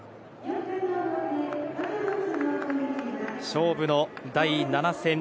勝負の第７戦。